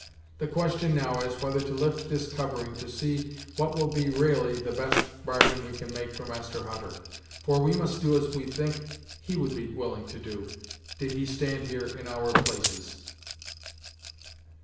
The question now is, whether to lift this covering to see what will be ra'ally the best bargain we can make for Master Hutter, for we must do as we think he would be willing to do, did he stand here in our places."